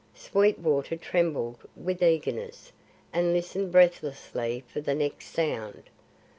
Sweetwater trembled with eagerness and listened breathlessly for the next sound.